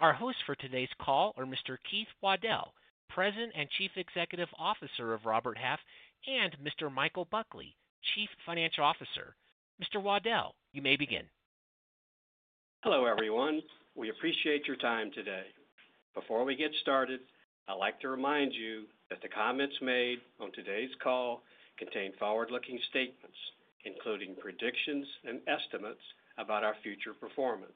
Our host for today's call are Mr. Keith Waddell, President and Chief Executive Officer of Robert Half, and Mr. Michael Buckley, Chief Financial Officer. Mr. Waddell, you may begin. Hello everyone. We appreciate your time today. Before we get started, I'd like to remind you that the comments made on today's call contain forward-looking statements, including predictions and estimates about our future performance.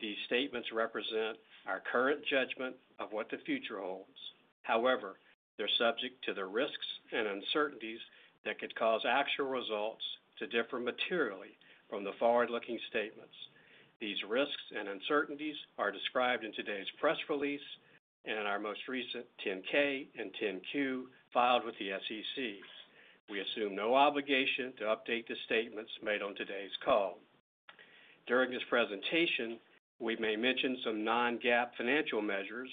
These statements represent our current judgment of what the future holds. However, they're subject to the risks and uncertainties that could cause actual results to differ materially from the forward-looking statements. These risks and uncertainties are described in today's press release and in our most recent 10-K and 10-Q filed with the SEC. We assume no obligation to update the statements made on today's call. During this presentation, we may mention some non-GAAP financial measures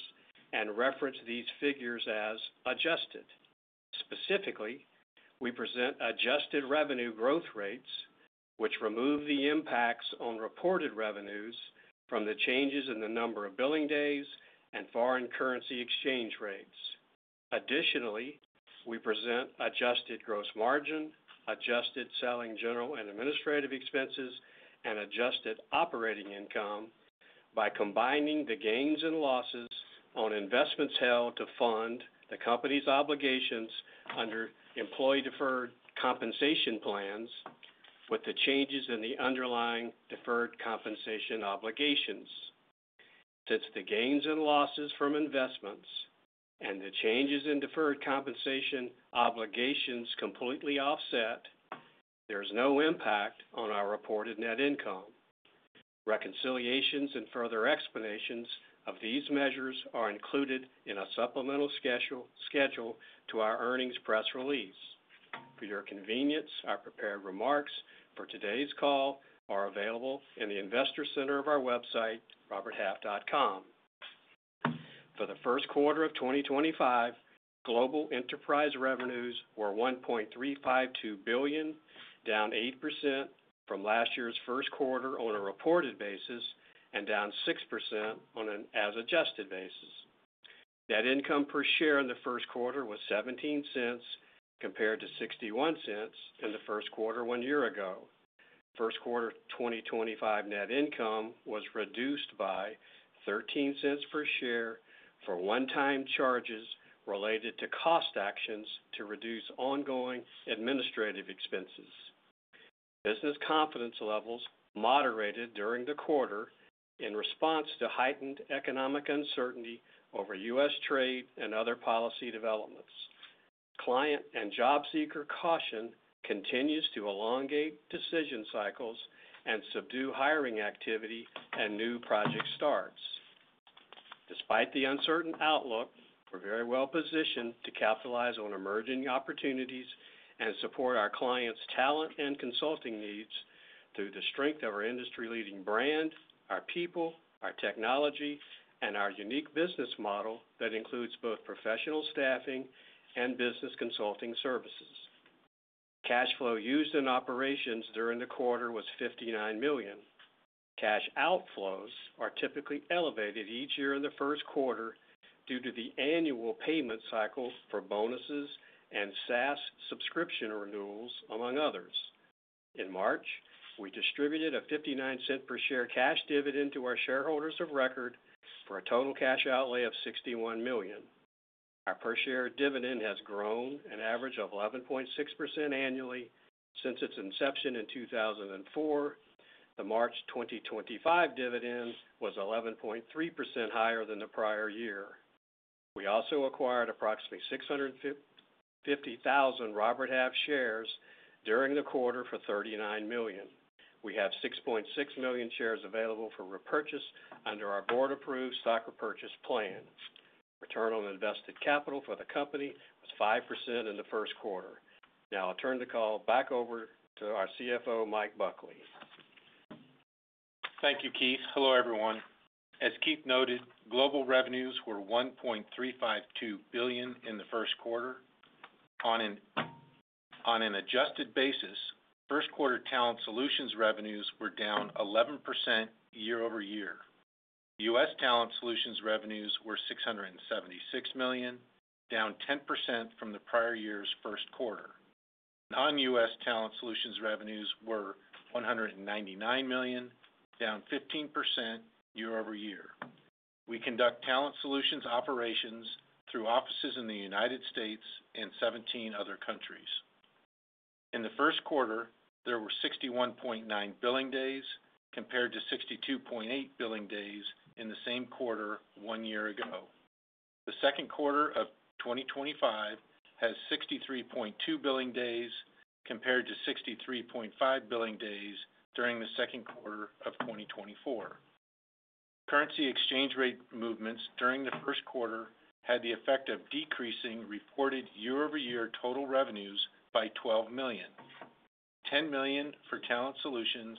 and reference these figures as adjusted. Specifically, we present adjusted revenue growth rates, which remove the impacts on reported revenues from the changes in the number of billing days and foreign currency exchange rates. Additionally, we present adjusted gross margin, adjusted selling general and administrative expenses, and adjusted operating income by combining the gains and losses on investments held to fund the company's obligations under employee-deferred compensation plans with the changes in the underlying deferred compensation obligations. Since the gains and losses from investments and the changes in deferred compensation obligations completely offset, there is no impact on our reported net income. Reconciliations and further explanations of these measures are included in a supplemental schedule to our earnings press release. For your convenience, our prepared remarks for today's call are available in the investor center of our website, RobertHalf.com. For the first quarter of 2025, global enterprise revenues were $1.352 billion, down 8% from last year's first quarter on a reported basis and down 6% on an as-adjusted basis. Net income per share in the first quarter was $0.17 compared to $0.61 in the first quarter one year ago. First quarter 2025 net income was reduced by $0.13 per share for one-time charges related to cost actions to reduce ongoing administrative expenses. Business confidence levels moderated during the quarter in response to heightened economic uncertainty over U.S. trade and other policy developments. Client and job seeker caution continues to elongate decision cycles and subdue hiring activity and new project starts. Despite the uncertain outlook, we're very well positioned to capitalize on emerging opportunities and support our clients' talent and consulting needs through the strength of our industry-leading brand, our people, our technology, and our unique business model that includes both professional staffing and business consulting services. Cash flow used in operations during the quarter was $59 million. Cash outflows are typically elevated each year in the first quarter due to the annual payment cycle for bonuses and SaaS subscription renewals, among others. In March, we distributed a $0.59 per share cash dividend to our shareholders of record for a total cash outlay of $61 million. Our per share dividend has grown an average of 11.6% annually since its inception in 2004. The March 2024 dividend was 11.3% higher than the prior year. We also acquired approximately 650,000 Robert Half shares during the quarter for $39 million. We have 6.6 million shares available for repurchase under our board-approved stock repurchase plan. Return on invested capital for the company was 5% in the first quarter. Now I'll turn the call back over to our CFO, Michael Buckley. Thank you, Keith. Hello everyone. As Keith noted, global revenues were $1.352 billion in the first quarter. On an adjusted basis, first quarter talent solutions revenues were down 11% year over year. U.S. talent solutions revenues were $676 million, down 10% from the prior year's first quarter. Non-U.S. talent solutions revenues were $199 million, down 15% year over year. We conduct talent solutions operations through offices in the United States and 17 other countries. In the first quarter, there were 61.9 billing days compared to 62.8 billing days in the same quarter one year ago. The second quarter of 2025 has 63.2 billing days compared to 63.5 billing days during the second quarter of 2024. Currency exchange rate movements during the first quarter had the effect of decreasing reported year-over-year total revenues by $12 million. $10 million for talent solutions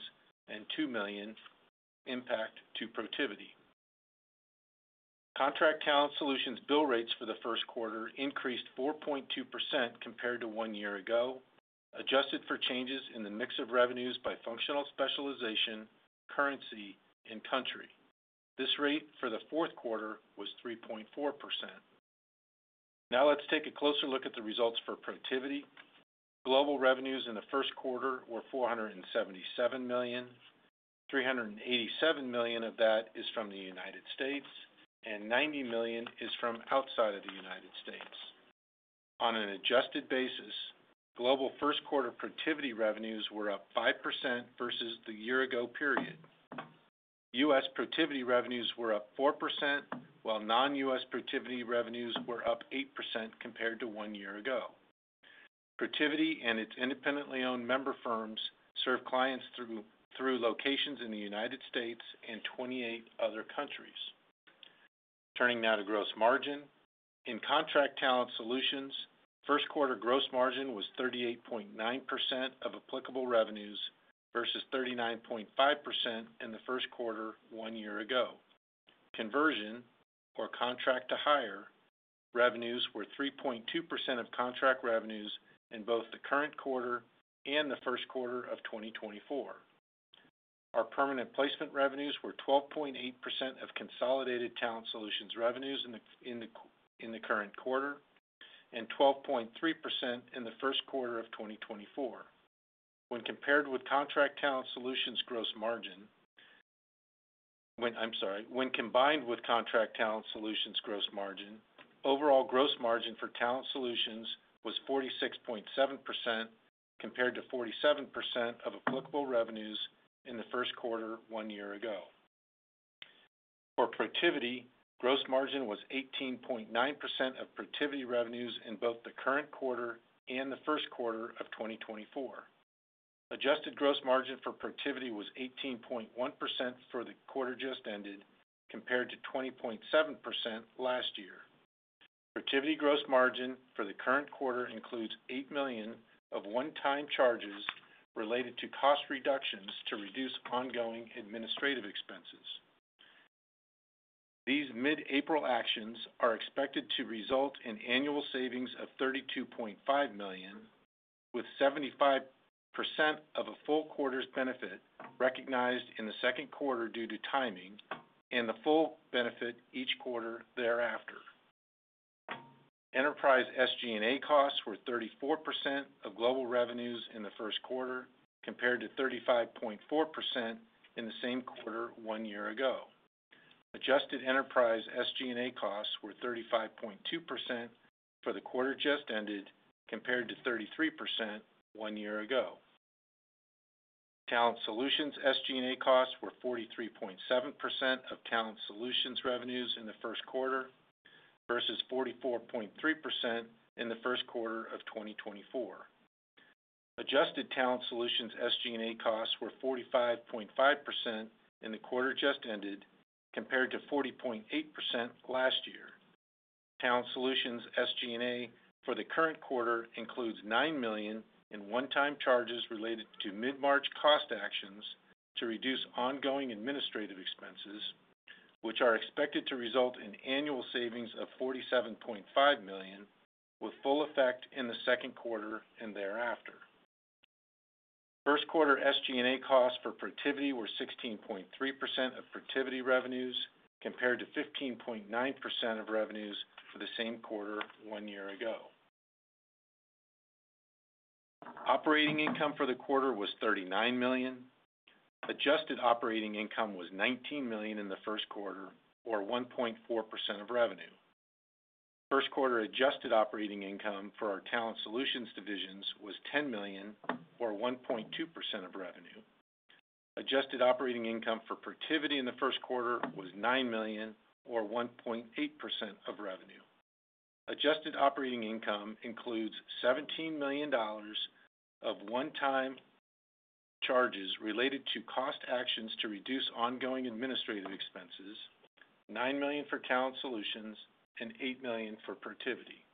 and $2 million impact to Protiviti. Contract talent solutions bill rates for the first quarter increased 4.2% compared to one year ago, adjusted for changes in the mix of revenues by functional specialization, currency, and country. This rate for the fourth quarter was 3.4%. Now let's take a closer look at the results for Protiviti. Global revenues in the first quarter were $477 million. $387 million of that is from the United States, and $90 million is from outside of the United States. On an adjusted basis, global first quarter Protiviti revenues were up 5% versus the year-ago period. U.S. Protiviti revenues were up 4%, while non-U.S. Protiviti revenues were up 8% compared to one year ago. Protiviti and its independently owned member firms serve clients through locations in the United States and 28 other countries. Turning now to gross margin. In contract talent solutions, first quarter gross margin was 38.9% of applicable revenues versus 39.5% in the first quarter one year ago. Conversion, or contract-to-hire, revenues were 3.2% of contract revenues in both the current quarter and the first quarter of 2024. Our permanent placement revenues were 12.8% of consolidated talent solutions revenues in the current quarter and 12.3% in the first quarter of 2024. When compared with contract talent solutions gross margin, I'm sorry, when combined with contract talent solutions gross margin, overall gross margin for talent solutions was 46.7% compared to 47% of applicable revenues in the first quarter one year ago. For Protiviti, gross margin was 18.9% of Protiviti revenues in both the current quarter and the first quarter of 2024. Adjusted gross margin for Protiviti was 18.1% for the quarter just ended compared to 20.7% last year. Protiviti gross margin for the current quarter includes $8 million of one-time charges related to cost reductions to reduce ongoing administrative expenses. These mid-April actions are expected to result in annual savings of $32.5 million, with 75% of a full quarter's benefit recognized in the second quarter due to timing and the full benefit each quarter thereafter. Enterprise SG&A costs were 34% of global revenues in the first quarter compared to 35.4% in the same quarter one year ago. Adjusted enterprise SG&A costs were 35.2% for the quarter just ended compared to 33% one year ago. Talent solutions SG&A costs were 43.7% of talent solutions revenues in the first quarter versus 44.3% in the first quarter of 2024. Adjusted talent solutions SG&A costs were 45.5% in the quarter just ended compared to 40.8% last year. Talent solutions SG&A for the current quarter includes $9 million in one-time charges related to mid-March cost actions to reduce ongoing administrative expenses, which are expected to result in annual savings of $47.5 million with full effect in the second quarter and thereafter. First quarter SG&A costs for Protiviti were 16.3% of Protiviti revenues compared to 15.9% of revenues for the same quarter one year ago. Operating income for the quarter was $39 million. Adjusted operating income was $19 million in the first quarter, or 1.4% of revenue. First quarter adjusted operating income for our talent solutions divisions was $10 million, or 1.2% of revenue. Adjusted operating income for Protiviti in the first quarter was $9 million, or 1.8% of revenue. Adjusted operating income includes $17 million of one-time charges related to cost actions to reduce ongoing administrative expenses, $9 million for talent solutions, and $8 million for Protiviti.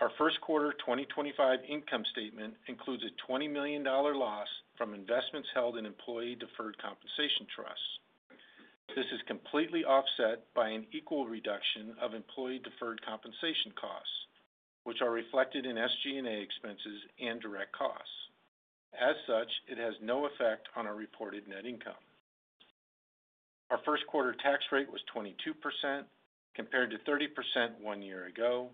Our first quarter 2025 income statement includes a $20 million loss from investments held in employee-deferred compensation trusts. This is completely offset by an equal reduction of employee-deferred compensation costs, which are reflected in SG&A expenses and direct costs. As such, it has no effect on our reported net income. Our first quarter tax rate was 22% compared to 30% one year ago.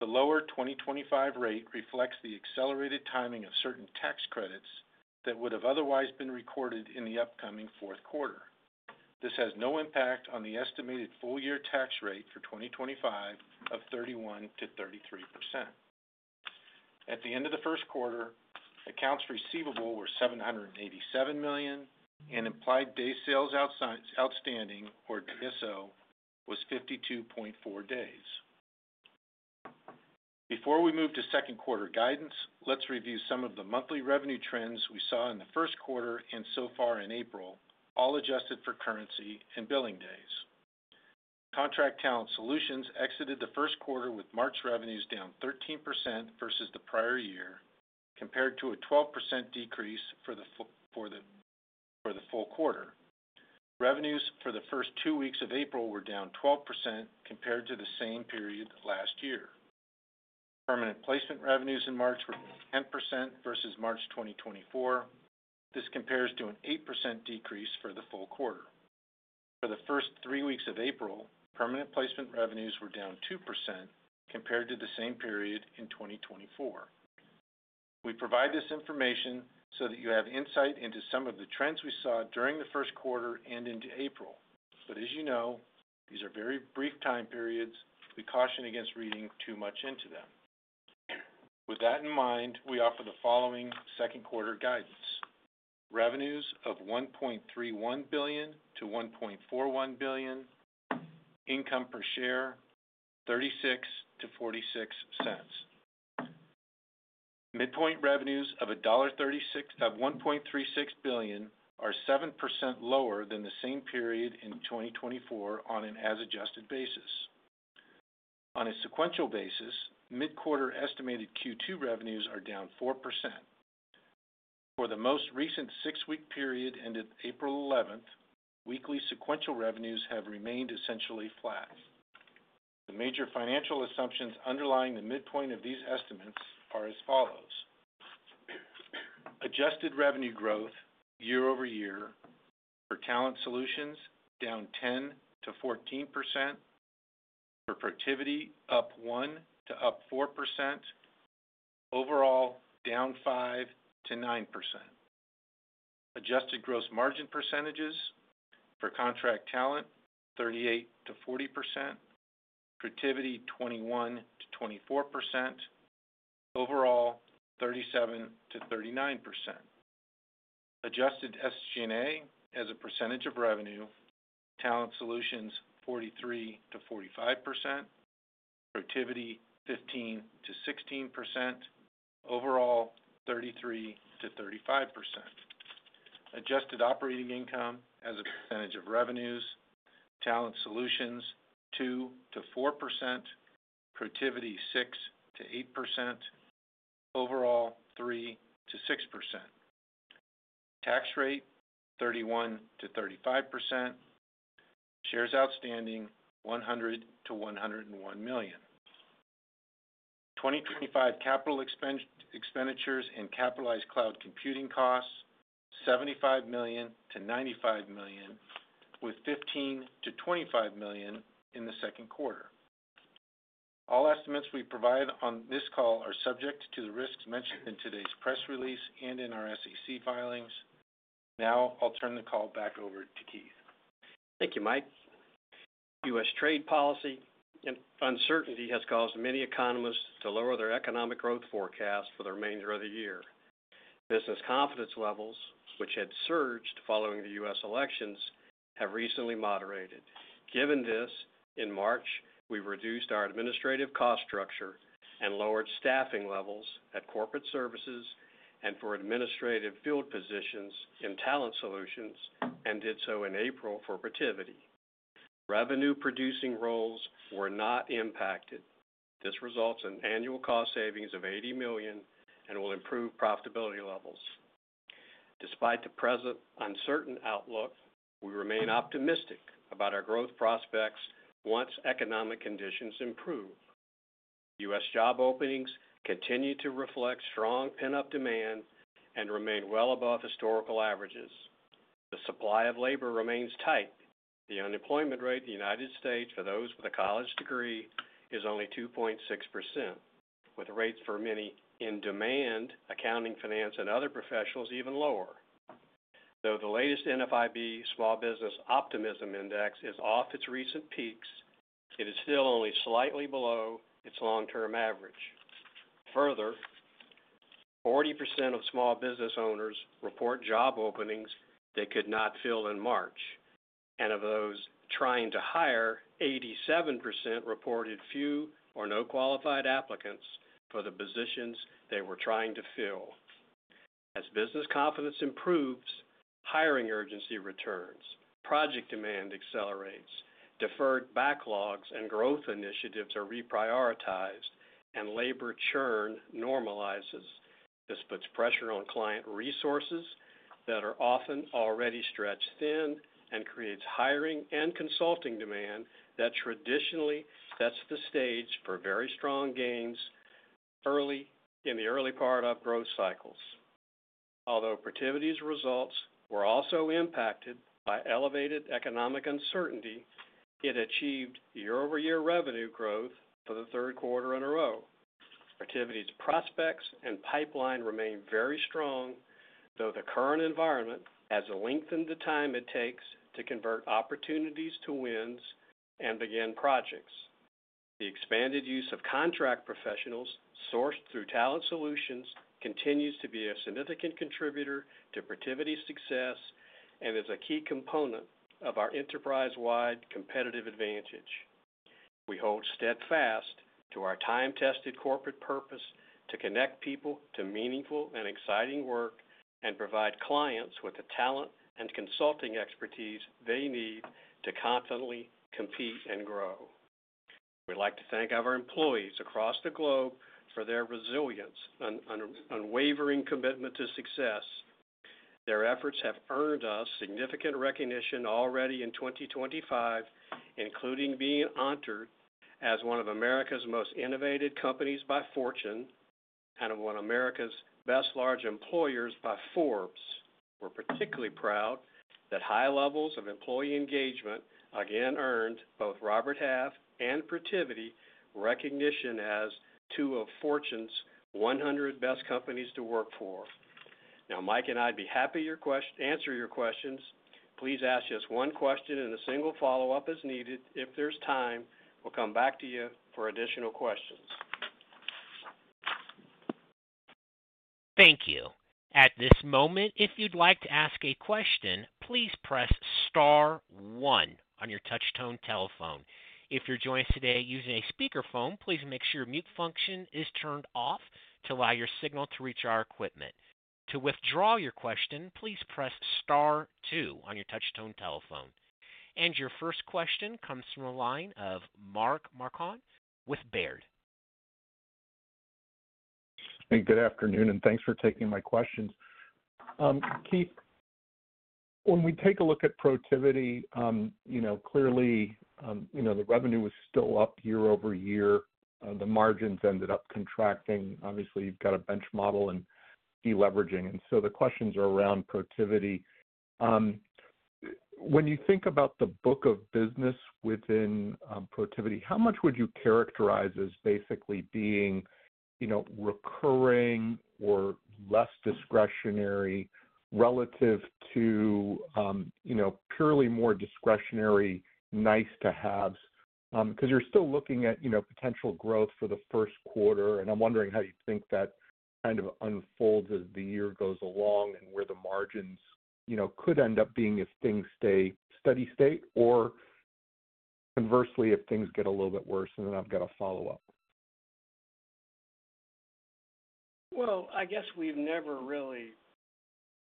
The lower 2025 rate reflects the accelerated timing of certain tax credits that would have otherwise been recorded in the upcoming fourth quarter. This has no impact on the estimated full-year tax rate for 2025 of 31%-33%. At the end of the first quarter, accounts receivable were $787 million, and implied day sales outstanding, or DSO, was 52.4 days. Before we move to second quarter guidance, let's review some of the monthly revenue trends we saw in the first quarter and so far in April, all adjusted for currency and billing days. Contract Talent Solutions exited the first quarter with March revenues down 13% versus the prior year compared to a 12% decrease for the full quarter. Revenues for the first two weeks of April were down 12% compared to the same period last year. Permanent placement revenues in March were 10% versus March 2024. This compares to an 8% decrease for the full quarter. For the first three weeks of April, permanent placement revenues were down 2% compared to the same period in 2024. We provide this information so that you have insight into some of the trends we saw during the first quarter and into April. As you know, these are very brief time periods. We caution against reading too much into them. With that in mind, we offer the following second quarter guidance. Revenues of $1.31 billion-$1.41 billion. Income per share, $0.36-$0.46. Midpoint revenues of $1.36 billion are 7% lower than the same period in 2024 on an as-adjusted basis. On a sequential basis, mid-quarter estimated Q2 revenues are down 4%. For the most recent six-week period ended April 11th, weekly sequential revenues have remained essentially flat. The major financial assumptions underlying the midpoint of these estimates are as follows. Adjusted revenue growth year-over-year for talent solutions down 10%-14%. For Protiviti, up 1%-4%. Overall, down 5%-9%. Adjusted gross margin percentages for contract talent, 38%-40%. Protiviti, 21%-24%. Overall, 37%-39%. Adjusted SG&A as a percentage of revenue, talent solutions 43%-45%. Protiviti, 15%-16%. Overall, 33%-35%. Adjusted operating income as a percentage of revenues, talent solutions 2%-4%. Protiviti, 6%-8%. Overall, 3%-6%. Tax rate, 31%-35%. Shares outstanding, 100 million-101 million. 2025 capital expenditures and capitalized cloud computing costs, $75 million-$95 million, with $15 million-$25 million in the second quarter. All estimates we provide on this call are subject to the risks mentioned in today's press release and in our SEC filings. Now I'll turn the call back over to Keith. Thank you, Mike. U.S. trade policy uncertainty has caused many economists to lower their economic growth forecast for the remainder of the year. Business confidence levels, which had surged following the U.S. elections, have recently moderated. Given this, in March, we reduced our administrative cost structure and lowered staffing levels at corporate services and for administrative field positions in talent solutions and did so in April for Protiviti. Revenue-producing roles were not impacted. This results in annual cost savings of $80 million and will improve profitability levels. Despite the present uncertain outlook, we remain optimistic about our growth prospects once economic conditions improve. U.S. job openings continue to reflect strong pent-up demand and remain well above historical averages. The supply of labor remains tight. The unemployment rate in the United States for those with a college degree is only 2.6%, with rates for many in demand, accounting, finance, and other professionals even lower. Though the latest NFIB Small Business Optimism Index is off its recent peaks, it is still only slightly below its long-term average. Further, 40% of small business owners report job openings they could not fill in March. Of those trying to hire, 87% reported few or no qualified applicants for the positions they were trying to fill. As business confidence improves, hiring urgency returns. Project demand accelerates. Deferred backlogs and growth initiatives are reprioritized, and labor churn normalizes. This puts pressure on client resources that are often already stretched thin and creates hiring and consulting demand that traditionally sets the stage for very strong gains in the early part of growth cycles. Although Protiviti's results were also impacted by elevated economic uncertainty, it achieved year-over-year revenue growth for the third quarter in a row. Protiviti's prospects and pipeline remain very strong, though the current environment has lengthened the time it takes to convert opportunities to wins and begin projects. The expanded use of contract professionals sourced through Talent Solutions continues to be a significant contributor to Protiviti's success and is a key component of our enterprise-wide competitive advantage. We hold steadfast to our time-tested corporate purpose to connect people to meaningful and exciting work and provide clients with the talent and consulting expertise they need to confidently compete and grow. We'd like to thank our employees across the globe for their resilience and unwavering commitment to success. Their efforts have earned us significant recognition already in 2024, including being honored as one of America's most innovative companies by Fortune and one of America's best large employers by Forbes. We're particularly proud that high levels of employee engagement again earned both Robert Half and Protiviti recognition as two of Fortune's 100 Best Companies to Work For. Now, Mike and I'd be happy to answer your questions. Please ask just one question and a single follow-up as needed. If there's time, we'll come back to you for additional questions. Thank you. At this moment, if you'd like to ask a question, please press Star 1 on your touch-tone telephone. If you're joining us today using a speakerphone, please make sure your mute function is turned off to allow your signal to reach our equipment. To withdraw your question, please press Star 2 on your touch-tone telephone. Your first question comes from a line of Mark Marcon with Baird. Hey, good afternoon, and thanks for taking my questions. Keith, when we take a look at Protiviti, clearly the revenue was still up year-over-year. The margins ended up contracting. Obviously, you've got a bench model and deleveraging. The questions are around Protiviti. When you think about the book of business within Protiviti, how much would you characterize as basically being recurring or less discretionary relative to purely more discretionary nice-to-haves? Because you're still looking at potential growth for the first quarter, and I'm wondering how you think that kind of unfolds as the year goes along and where the margins could end up being if things stay steady-state or, conversely, if things get a little bit worse and then I've got a follow-up. I guess we've never really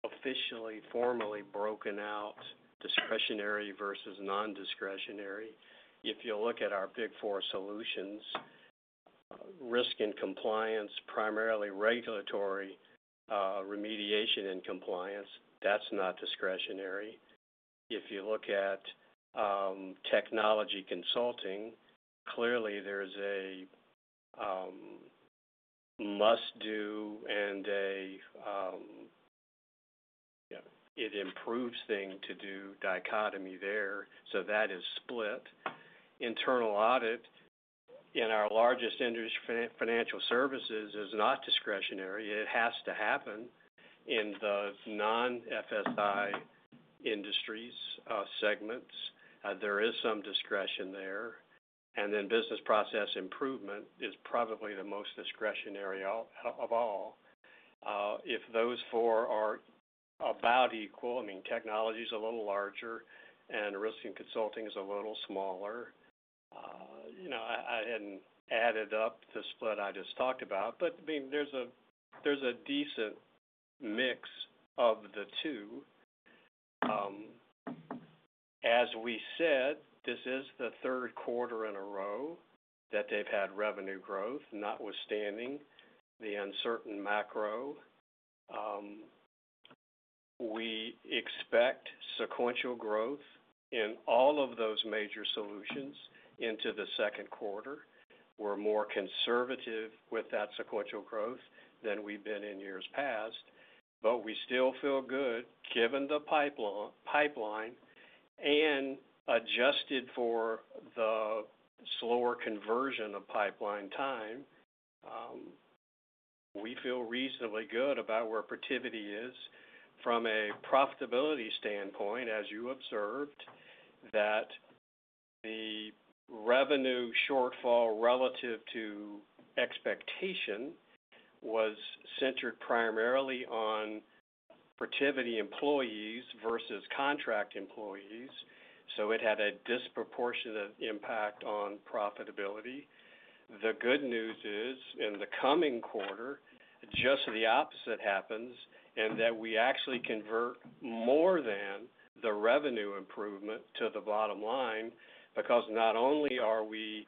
officially, formally broken out discretionary versus non-discretionary. If you look at our Big Four solutions, risk and compliance, primarily regulatory remediation and compliance, that's not discretionary. If you look at technology consulting, clearly there's a must-do and a, yeah, it improves thing to do dichotomy there. That is split. Internal audit in our largest industry, financial services, is not discretionary. It has to happen. In the non-FSI industries segments, there is some discretion there. Business process improvement is probably the most discretionary of all. If those four are about equal, I mean, technology is a little larger and risk and consulting is a little smaller, I hadn't added up the split I just talked about. I mean, there's a decent mix of the two. As we said, this is the third quarter in a row that they've had revenue growth, notwithstanding the uncertain macro. We expect sequential growth in all of those major solutions into the second quarter. We are more conservative with that sequential growth than we've been in years past. We still feel good given the pipeline and adjusted for the slower conversion of pipeline time. We feel reasonably good about where Protiviti is from a profitability standpoint, as you observed, that the revenue shortfall relative to expectation was centered primarily on Protiviti employees versus contract employees. It had a disproportionate impact on profitability. The good news is, in the coming quarter, just the opposite happens and that we actually convert more than the revenue improvement to the bottom line because not only are we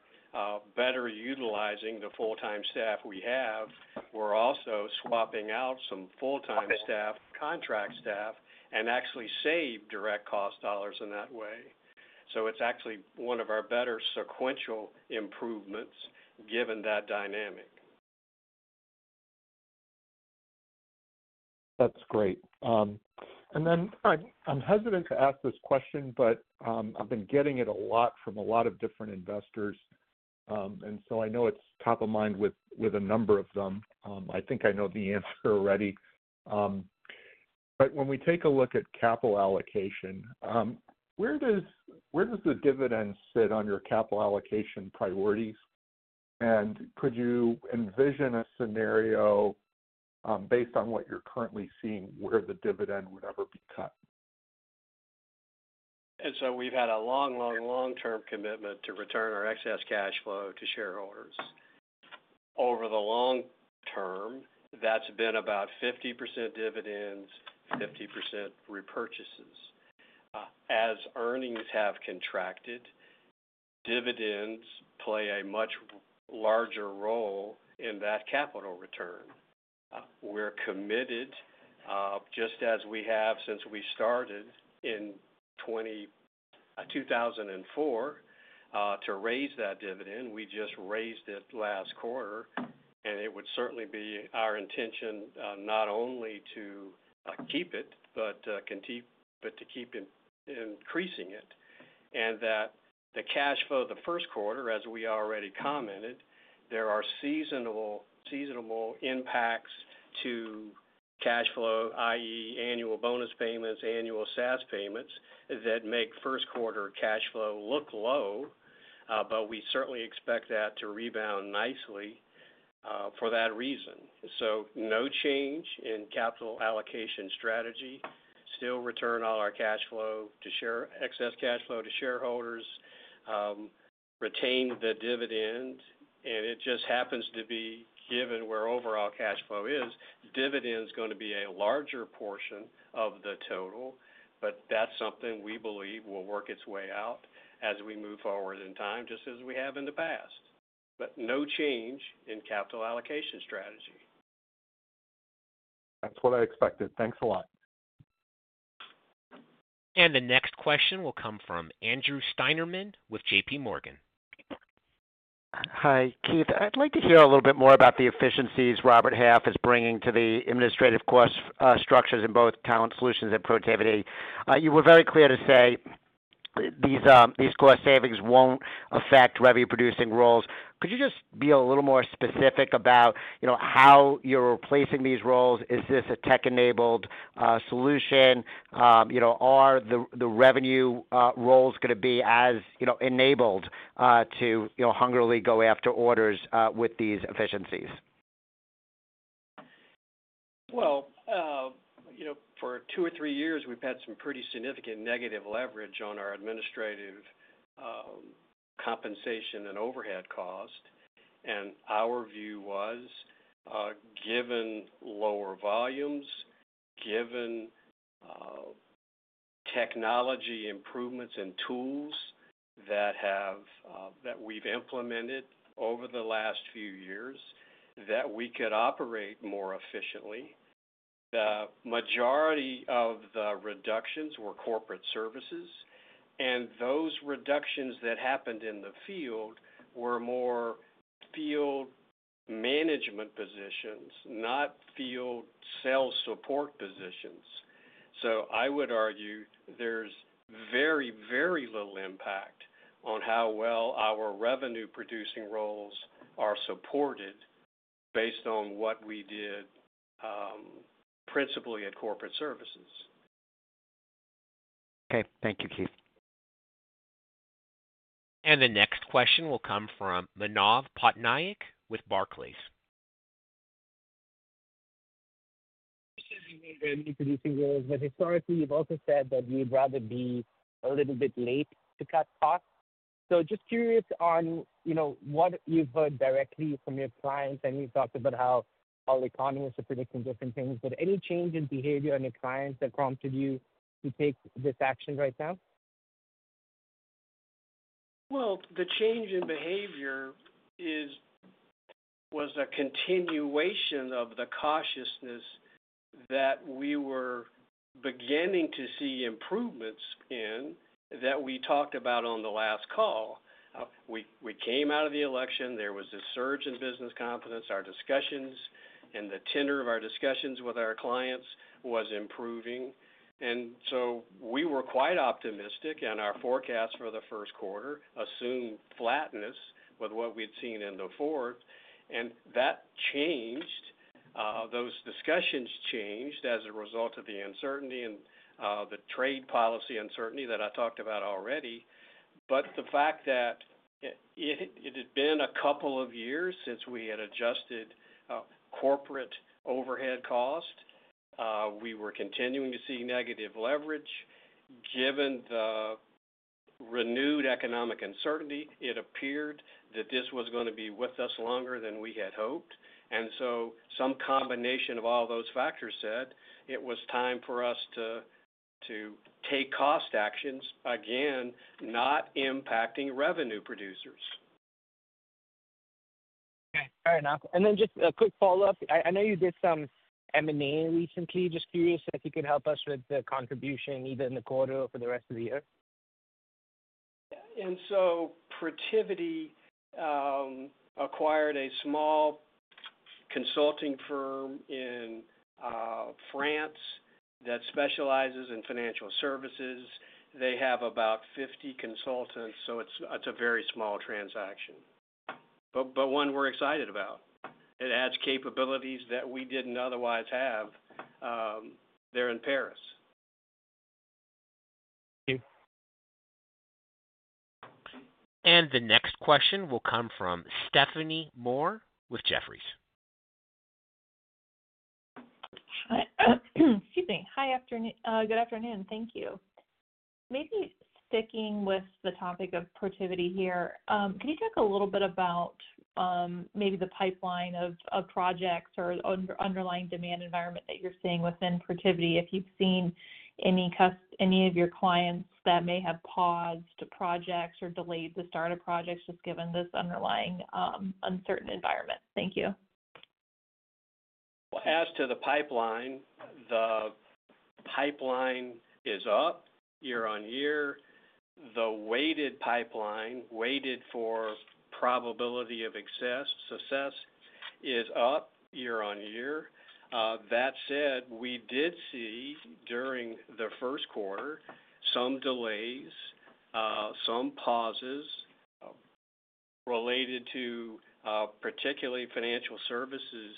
better utilizing the full-time staff we have, we're also swapping out some full-time staff, contract staff, and actually save direct cost dollars in that way. It is actually one of our better sequential improvements given that dynamic. That's great. I'm hesitant to ask this question, but I've been getting it a lot from a lot of different investors. I know it's top of mind with a number of them. I think I know the answer already. When we take a look at capital allocation, where does the dividend sit on your capital allocation priorities? Could you envision a scenario based on what you're currently seeing where the dividend would ever be cut? We have had a long, long, long-term commitment to return our excess cash flow to shareholders. Over the long term, that has been about 50% dividends, 50% repurchases. As earnings have contracted, dividends play a much larger role in that capital return. We are committed, just as we have since we started in 2004, to raise that dividend. We just raised it last quarter. It would certainly be our intention not only to keep it, but to keep increasing it. The cash flow in the first quarter, as we already commented, there are seasonal impacts to cash flow, i.e., annual bonus payments, annual SaaS payments that make first quarter cash flow look low. We certainly expect that to rebound nicely for that reason. No change in capital allocation strategy, still return all our cash flow to share excess cash flow to shareholders, retain the dividend. It just happens to be given where overall cash flow is, dividend's going to be a larger portion of the total. That is something we believe will work its way out as we move forward in time, just as we have in the past. No change in capital allocation strategy. That's what I expected. Thanks a lot. The next question will come from Andrew Steinerman with JP Morgan. Hi, Keith. I'd like to hear a little bit more about the efficiencies Robert Half is bringing to the administrative cost structures in both talent solutions and Protiviti. You were very clear to say these cost savings won't affect revenue-producing roles. Could you just be a little more specific about how you're replacing these roles? Is this a tech-enabled solution? Are the revenue roles going to be as enabled to hungrily go after orders with these efficiencies? For two or three years, we've had some pretty significant negative leverage on our administrative compensation and overhead cost. Our view was, given lower volumes, given technology improvements and tools that we've implemented over the last few years, that we could operate more efficiently. The majority of the reductions were corporate services. Those reductions that happened in the field were more field management positions, not field sales support positions. I would argue there's very, very little impact on how well our revenue-producing roles are supported based on what we did principally at corporate services. Okay. Thank you, Keith. The next question will come from Manav Patnaik with Barclays. This is Manav introducing you. Historically, you've also said that you'd rather be a little bit late to cut costs. Just curious on what you've heard directly from your clients. I know you've talked about how all economists are predicting different things. Any change in behavior on your clients that prompted you to take this action right now? The change in behavior was a continuation of the cautiousness that we were beginning to see improvements in that we talked about on the last call. We came out of the election. There was a surge in business confidence. Our discussions and the tenor of our discussions with our clients was improving. We were quite optimistic. Our forecast for the first quarter assumed flatness with what we'd seen in the fourth. That changed. Those discussions changed as a result of the uncertainty and the trade policy uncertainty that I talked about already. The fact that it had been a couple of years since we had adjusted corporate overhead cost, we were continuing to see negative leverage. Given the renewed economic uncertainty, it appeared that this was going to be with us longer than we had hoped. Some combination of all those factors said it was time for us to take cost actions, again, not impacting revenue producers. Okay. Fair enough. Then just a quick follow-up. I know you did some M&A recently. Just curious if you could help us with the contribution either in the quarter or for the rest of the year. Yeah. Protiviti acquired a small consulting firm in France that specializes in financial services. They have about 50 consultants. It is a very small transaction, but one we're excited about. It adds capabilities that we didn't otherwise have. They're in Paris. Thank you. The next question will come from Stephanie Moore with Jefferies. Excuse me. Hi, good afternoon. Thank you. Maybe sticking with the topic of Protiviti here, can you talk a little bit about maybe the pipeline of projects or underlying demand environment that you're seeing within Protiviti, if you've seen any of your clients that may have paused projects or delayed the start of projects just given this underlying uncertain environment? Thank you. As to the pipeline, the pipeline is up year on year. The weighted pipeline, weighted for probability of success, is up year on year. That said, we did see during the first quarter some delays, some pauses related to particularly financial services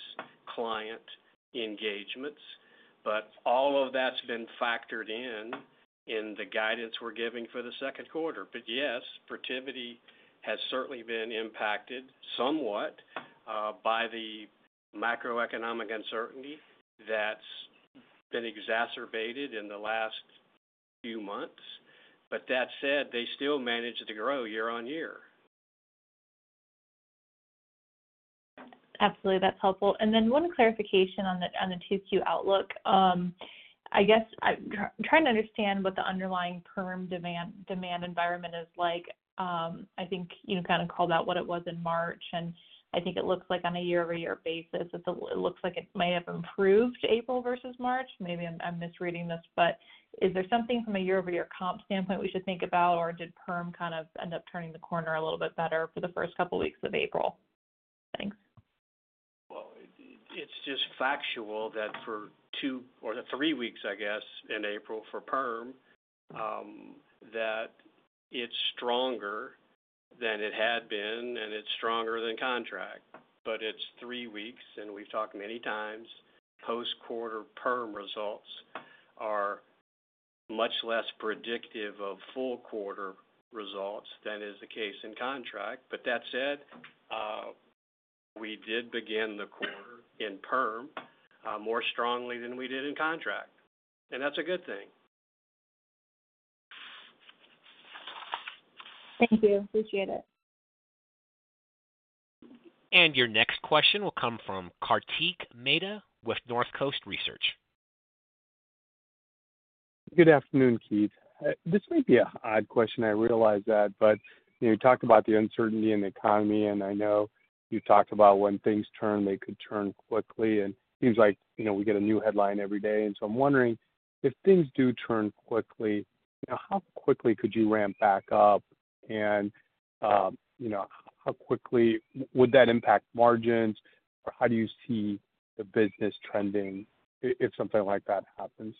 client engagements. All of that has been factored in in the guidance we are giving for the second quarter. Yes, Protiviti has certainly been impacted somewhat by the macroeconomic uncertainty that has been exacerbated in the last few months. That said, they still manage to grow year on year. Absolutely. That's helpful. One clarification on the QQ outlook. I guess I'm trying to understand what the underlying perm demand environment is like. I think you kind of called out what it was in March. I think it looks like on a year-over-year basis, it looks like it might have improved April versus March. Maybe I'm misreading this. Is there something from a year-over-year comp standpoint we should think about? Did perm kind of end up turning the corner a little bit better for the first couple of weeks of April? Thanks. It is just factual that for two or three weeks, I guess, in April for perm, that it is stronger than it had been. It is stronger than contract. It is three weeks. We have talked many times post-quarter perm results are much less predictive of full quarter results than is the case in contract. That said, we did begin the quarter in perm more strongly than we did in contract. That is a good thing. Thank you. Appreciate it. Your next question will come from Kartik Mehta with Northcoast Research. Good afternoon, Keith. This may be an odd question. I realize that. You talked about the uncertainty in the economy. I know you talked about when things turn, they could turn quickly. It seems like we get a new headline every day. I am wondering, if things do turn quickly, how quickly could you ramp back up? How quickly would that impact margins? How do you see the business trending if something like that happens?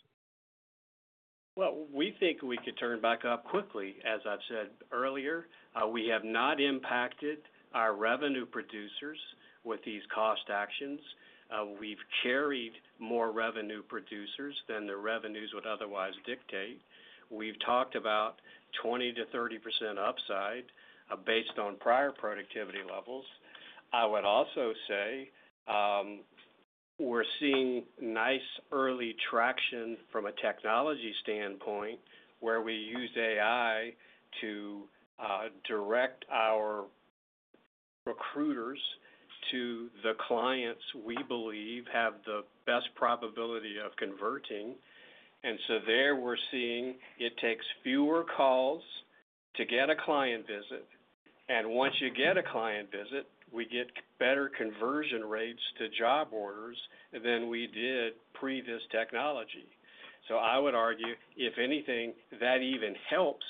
We think we could turn back up quickly, as I've said earlier. We have not impacted our revenue producers with these cost actions. We've carried more revenue producers than the revenues would otherwise dictate. We've talked about 20%-30% upside based on prior productivity levels. I would also say we're seeing nice early traction from a technology standpoint where we use AI to direct our recruiters to the clients we believe have the best probability of converting. There we're seeing it takes fewer calls to get a client visit. Once you get a client visit, we get better conversion rates to job orders than we did pre this technology. I would argue, if anything, that even helps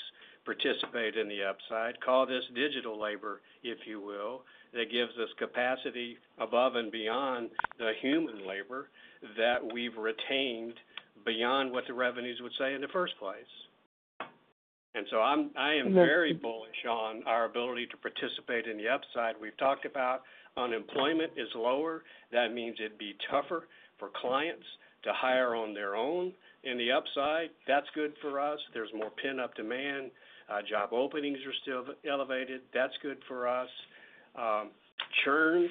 participate in the upside. Call this digital labor, if you will. That gives us capacity above and beyond the human labor that we've retained beyond what the revenues would say in the first place. I am very bullish on our ability to participate in the upside. We've talked about unemployment is lower. That means it'd be tougher for clients to hire on their own. In the upside, that's good for us. There's more pin-up demand. Job openings are still elevated. That's good for us. Churn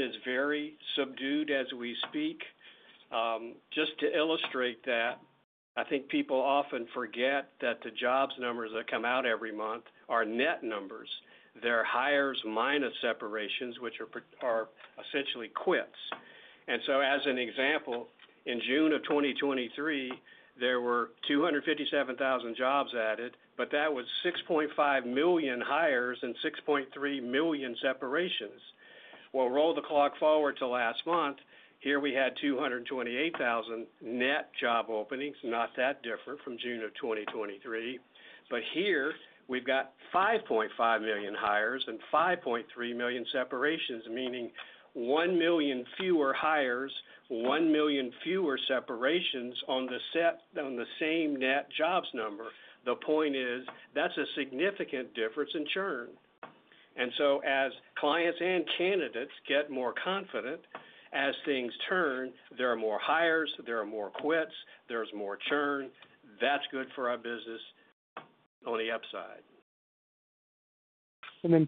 is very subdued as we speak. Just to illustrate that, I think people often forget that the jobs numbers that come out every month are net numbers. They're hires minus separations, which are essentially quits. As an example, in June of 2023, there were 257,000 jobs added. That was 6.5 million hires and 6.3 million separations. Roll the clock forward to last month. Here we had 228,000 net job openings, not that different from June of 2023. Here we have 5.5 million hires and 5.3 million separations, meaning 1 million fewer hires, 1 million fewer separations on the same net jobs number. The point is that's a significant difference in churn. As clients and candidates get more confident, as things turn, there are more hires, there are more quits, there's more churn. That's good for our business on the upside.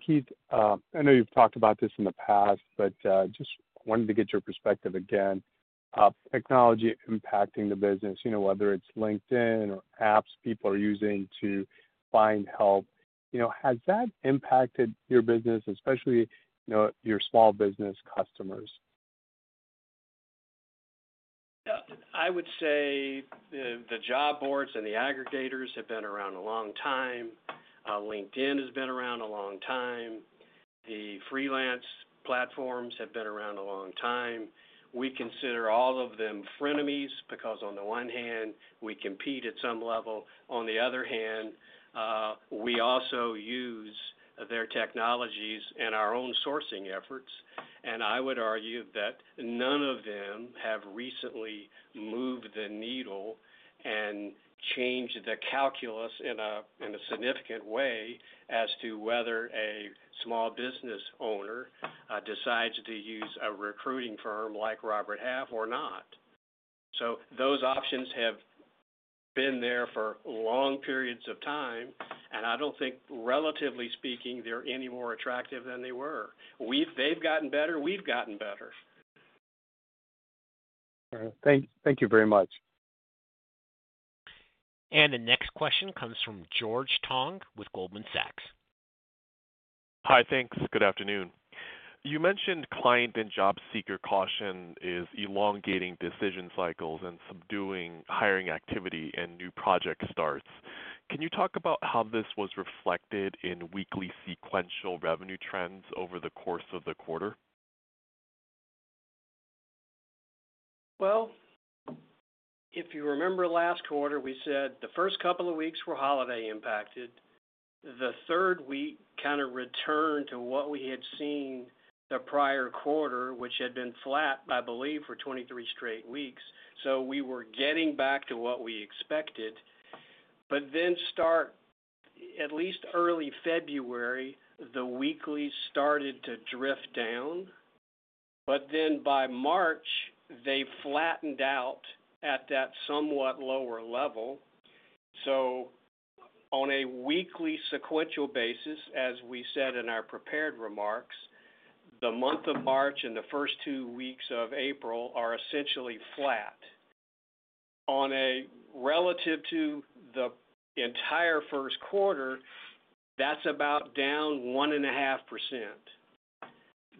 Keith, I know you've talked about this in the past, but just wanted to get your perspective again. Technology impacting the business, whether it's LinkedIn or apps people are using to find help, has that impacted your business, especially your small business customers? I would say the job boards and the aggregators have been around a long time. LinkedIn has been around a long time. The freelance platforms have been around a long time. We consider all of them frenemies because on the one hand, we compete at some level. On the other hand, we also use their technologies in our own sourcing efforts. I would argue that none of them have recently moved the needle and changed the calculus in a significant way as to whether a small business owner decides to use a recruiting firm like Robert Half or not. Those options have been there for long periods of time. I do not think, relatively speaking, they are any more attractive than they were. They have gotten better. We have gotten better. All right. Thank you very much. The next question comes from George Tong with Goldman Sachs. Hi, thanks. Good afternoon. You mentioned client and job seeker caution is elongating decision cycles and subduing hiring activity and new project starts. Can you talk about how this was reflected in weekly sequential revenue trends over the course of the quarter? If you remember last quarter, we said the first couple of weeks were holiday impacted. The third week kind of returned to what we had seen the prior quarter, which had been flat, I believe, for 23 straight weeks. We were getting back to what we expected. At least early February, the weekly started to drift down. By March, they flattened out at that somewhat lower level. On a weekly sequential basis, as we said in our prepared remarks, the month of March and the first two weeks of April are essentially flat. Relative to the entire first quarter, that is about down 1.5%.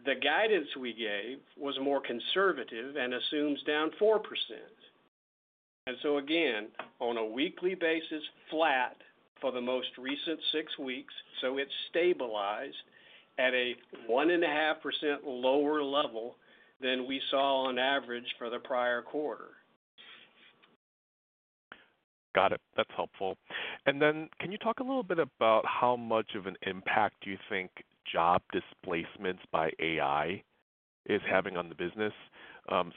The guidance we gave was more conservative and assumes down 4%. Again, on a weekly basis, flat for the most recent six weeks. It stabilized at a 1.5% lower level than we saw on average for the prior quarter. Got it. That's helpful. Can you talk a little bit about how much of an impact you think job displacements by AI is having on the business?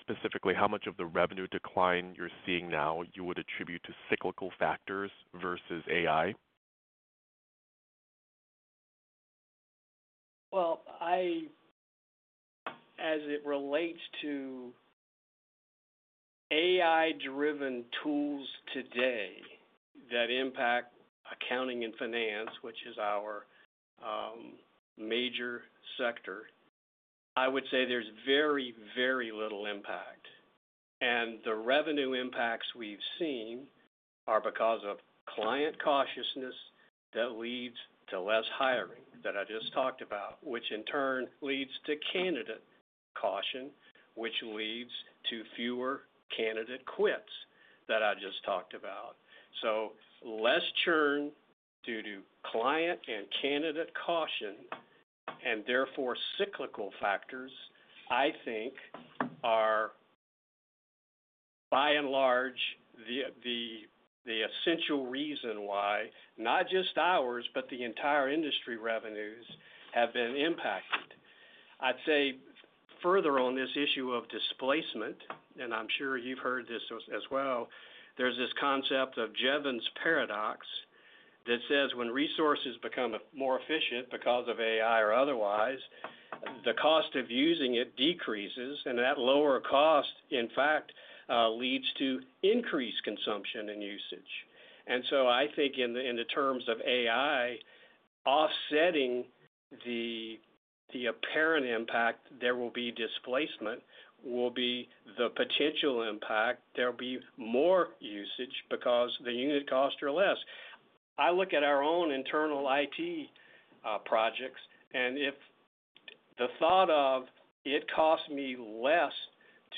Specifically, how much of the revenue decline you're seeing now you would attribute to cyclical factors versus AI? As it relates to AI-driven tools today that impact accounting and finance, which is our major sector, I would say there's very, very little impact. The revenue impacts we've seen are because of client cautiousness that leads to less hiring that I just talked about, which in turn leads to candidate caution, which leads to fewer candidate quits that I just talked about. Less churn due to client and candidate caution, and therefore cyclical factors, I think are by and large the essential reason why not just ours, but the entire industry revenues have been impacted. I'd say further on this issue of displacement, and I'm sure you've heard this as well, there's this concept of Jevons Paradox that says when resources become more efficient because of AI or otherwise, the cost of using it decreases. That lower cost, in fact, leads to increased consumption and usage. I think in the terms of AI, offsetting the apparent impact there will be displacement will be the potential impact. There'll be more usage because the unit costs are less. I look at our own internal IT projects. If the thought of, "It costs me less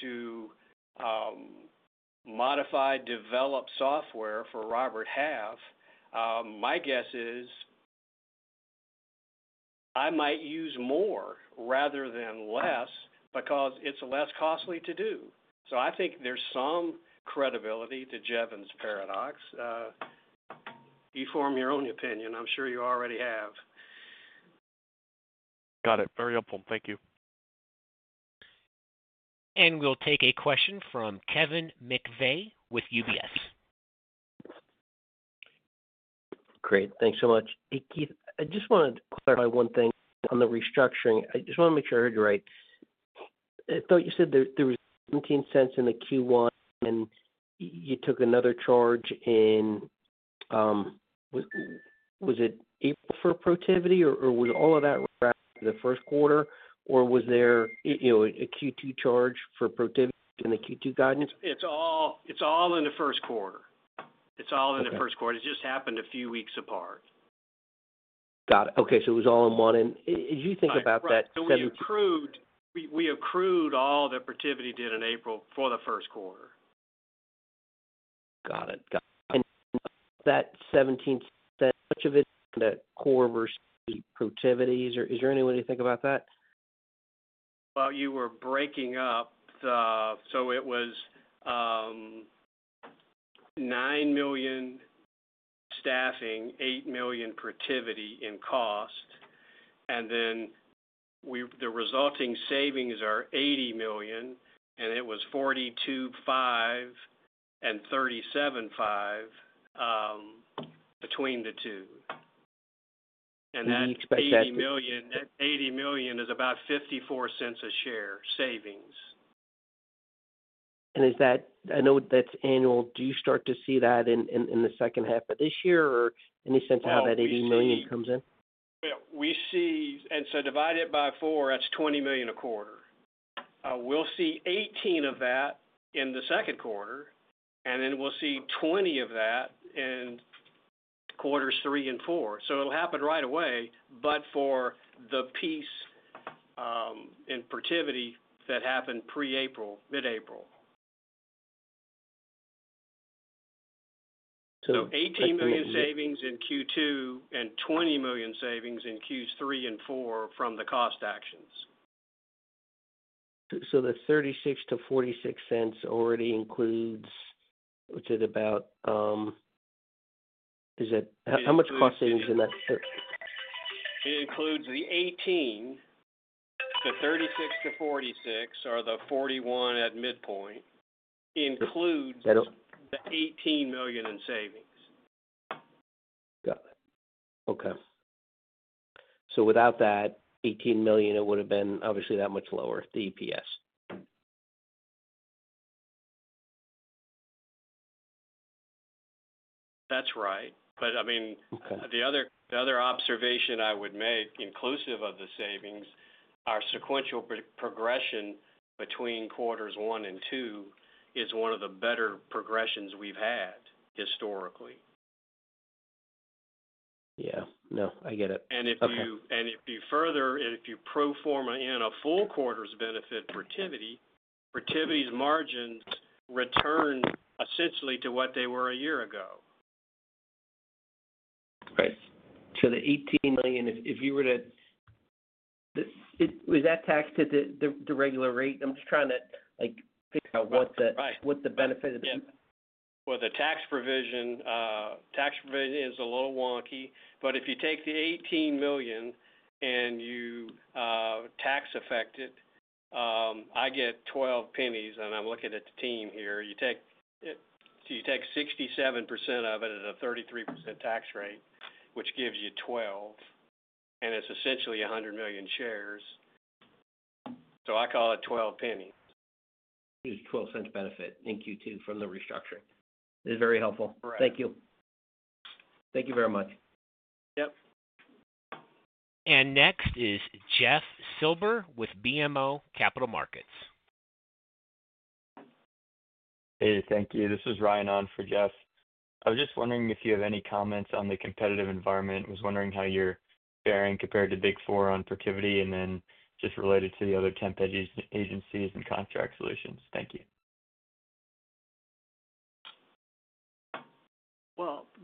to modify developed software for Robert Half," my guess is I might use more rather than less because it's less costly to do. I think there's some credibility to Jevons Paradox. You form your own opinion. I'm sure you already have. Got it. Very helpful. Thank you. We'll take a question from Kevin McVey with UBS. Great. Thanks so much. Hey, Keith, I just wanted to clarify one thing on the restructuring. I just want to make sure I heard you right. I thought you said there was $0.17 in the Q1, and you took another charge in, was it April for Protiviti, or was all of that wrapped in the first quarter? Or was there a Q2 charge for Protiviti in the Q2 guidance? It's all in the first quarter. It just happened a few weeks apart. Got it. Okay. It was all in one. As you think about that 17. We accrued all that Protiviti did in April for the first quarter. Got it. Got it. That $0.17, much of it in the core versus Protiviti's, or is there any way to think about that? You were breaking up. It was $9 million staffing, $8 million Protiviti in cost. The resulting savings are $80 million. It was $42.5 million and $37.5 million between the two. That $80 million is about $0.54 a share savings. I know that's annual. Do you start to see that in the second half of this year or any sense of how that $80 million comes in? Yeah. Divide it by 4, that's $20 million a quarter. We'll see $18 million of that in the second quarter. We'll see $20 million of that in quarters three and four. It'll happen right away, except for the piece in Protiviti that happened pre-April, mid-April. $18 million savings in Q2 and $20 million savings in Q3 and Q4 from the cost actions. The 36-46 cents already includes, which is about, how much cost savings in that? It includes the 18. The 36-46 or the 41 at midpoint includes the 18 million in savings. Got it. Okay. Without that $18 million, it would have been obviously that much lower, the EPS. That's right. I mean, the other observation I would make inclusive of the savings, our sequential progression between quarters one and two is one of the better progressions we've had historically. Yeah. No, I get it. If you pro forma in a full quarter's benefit, Protiviti's margins return essentially to what they were a year ago. Right. The $18 million, if you were to, is that taxed at the regular rate? I'm just trying to figure out what the benefit of the. The tax provision is a little wonky. If you take the $18 million and you tax affect it, I get 12 pennies. I'm looking at the team here. You take 67% of it at a 33% tax rate, which gives you 12. It's essentially 100 million shares. I call it 12 pennies. It's $0.12 benefit in Q2 from the restructuring. It's very helpful. Thank you. Thank you very much. Yep. Next is Jeff Silber with BMO Capital Markets. Hey, thank you. This is Ryan on for Jeff. I was just wondering if you have any comments on the competitive environment. I was wondering how you're faring compared to Big Four on Protiviti and then just related to the other 10 agencies and contract solutions. Thank you.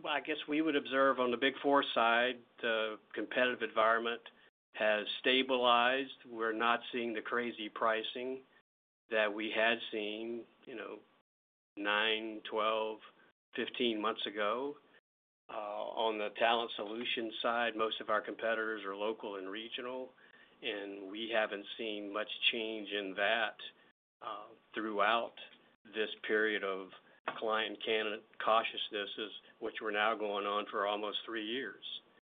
I guess we would observe on the Big Four side, the competitive environment has stabilized. We're not seeing the crazy pricing that we had seen 9, 12, 15 months ago. On the talent solution side, most of our competitors are local and regional. We haven't seen much change in that throughout this period of client candidate cautiousness, which we're now going on for almost three years.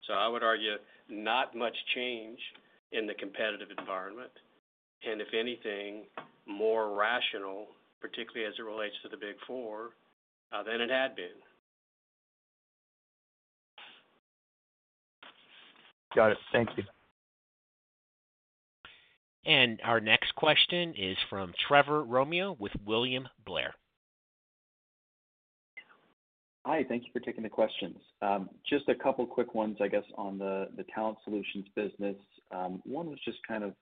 I would argue not much change in the competitive environment. If anything, more rational, particularly as it relates to the Big Four than it had been. Got it. Thank you. Our next question is from Trevor Romeo with William Blair. Hi. Thank you for taking the questions. Just a couple of quick ones, I guess, on the talent solutions business. One was just kind of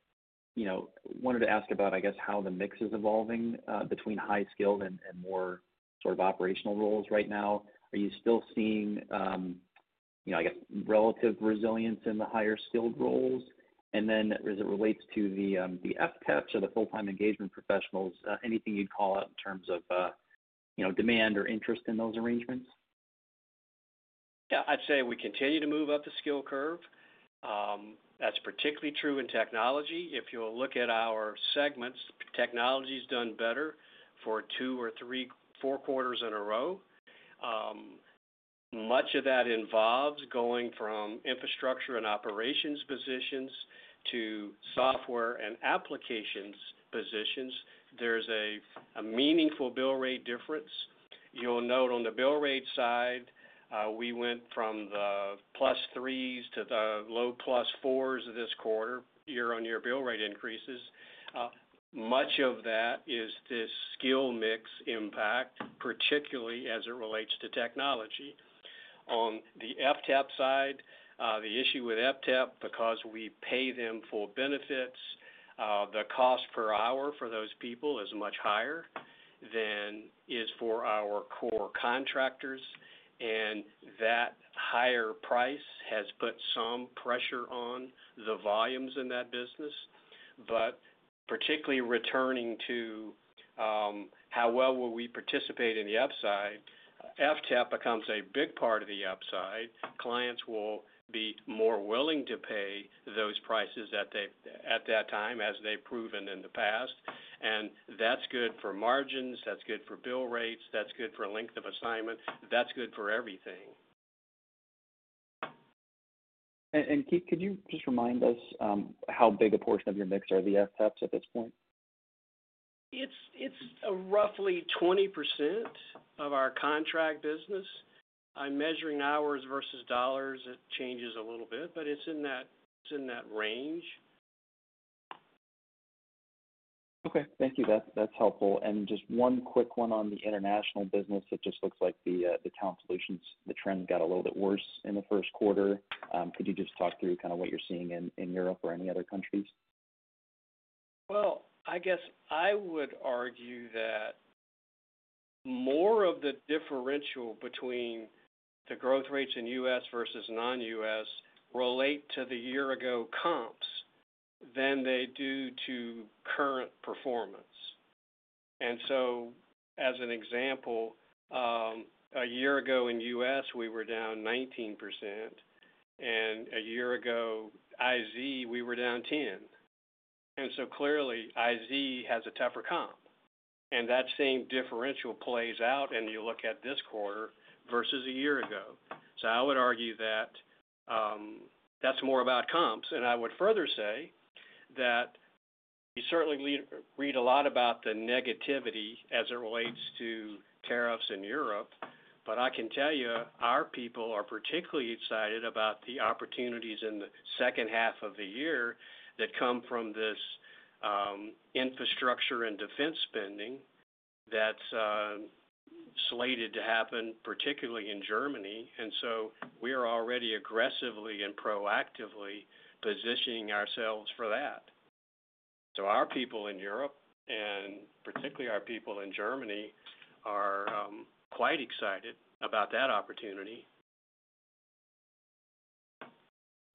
wanted to ask about, I guess, how the mix is evolving between high skilled and more sort of operational roles right now. Are you still seeing, I guess, relative resilience in the higher skilled roles? As it relates to the FTEPs or the full-time engagement professionals, anything you'd call out in terms of demand or interest in those arrangements? Yeah. I'd say we continue to move up the skill curve. That's particularly true in technology. If you'll look at our segments, technology's done better for two or three or four quarters in a row. Much of that involves going from infrastructure and operations positions to software and applications positions. There's a meaningful bill rate difference. You'll note on the bill rate side, we went from the plus threes to the low plus fours this quarter year-on-year bill rate increases. Much of that is this skill mix impact, particularly as it relates to technology. On the FTEP side, the issue with FTEP, because we pay them for benefits, the cost per hour for those people is much higher than is for our core contractors. And that higher price has put some pressure on the volumes in that business. Particularly returning to how well we will participate in the upside, FTEP becomes a big part of the upside. Clients will be more willing to pay those prices at that time as they have proven in the past. That is good for margins. That is good for bill rates. That is good for length of assignment. That is good for everything. Keith, could you just remind us how big a portion of your mix are the FTEPs at this point? It's roughly 20% of our contract business. I'm measuring hours versus dollars. It changes a little bit, but it's in that range. Okay. Thank you. That's helpful. Just one quick one on the international business. It just looks like the talent solutions, the trend got a little bit worse in the first quarter. Could you just talk through kind of what you're seeing in Europe or any other countries? I guess I would argue that more of the differential between the growth rates in the U.S. versus non-U.S. relate to the year-ago comps than they do to current performance. As an example, a year ago in the U.S., we were down 19%. A year ago, in International, we were down 10%. Clearly, IZ has a tougher comp. That same differential plays out when you look at this quarter versus a year ago. I would argue that that's more about comps. I would further say that we certainly read a lot about the negativity as it relates to tariffs in Europe. I can tell you, our people are particularly excited about the opportunities in the second half of the year that come from this infrastructure and defense spending that's slated to happen, particularly in Germany. We are already aggressively and proactively positioning ourselves for that. Our people in Europe and particularly our people in Germany are quite excited about that opportunity.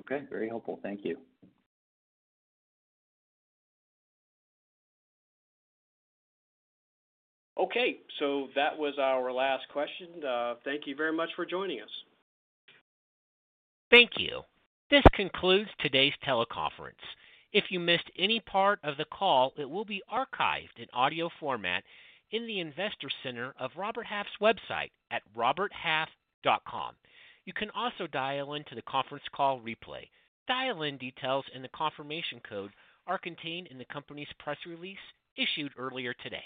Okay. Very helpful. Thank you. Okay. That was our last question. Thank you very much for joining us. Thank you. This concludes today's teleconference. If you missed any part of the call, it will be archived in audio format in the Investor Center of Robert Half's website at roberthalf.com. You can also dial into the conference call replay. Dial-in details and the confirmation code are contained in the company's press release issued earlier today.